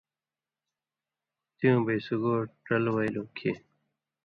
وختُویں بئ سُگو ڇل وَیلوۡ کِھیں